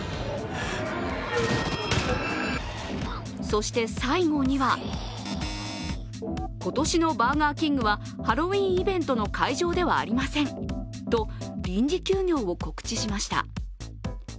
そして最後には今年のバーガーキングはハロウィーンイベントの会場ではありませんと、臨時休業を告知しました。